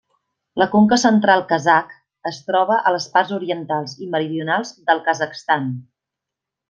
La conca central kazakh es troba a les parts orientals i meridionals del Kazakhstan.